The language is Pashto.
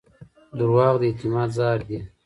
دروغ د اعتماد زهر دي.